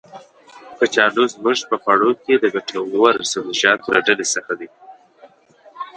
کچالو زمونږ په خواړو کې د ګټور سبزيجاتو له ډلې څخه دی.